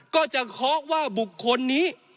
ก็จะเคาะว่าบุคคลนี้